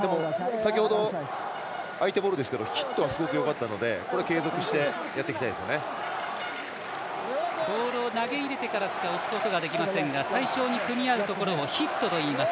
先ほど、相手ボールでしたがヒットは、すごくよかったのでボールを投げ入れてからしか押すことができませんが最初に組み合うところをヒットといいます。